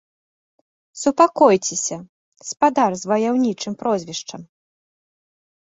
Супакойцеся, спадар з ваяўнічым прозвішчам!